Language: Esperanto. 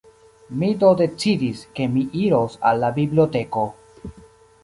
Mi do decidis, ke mi iros al la biblioteko.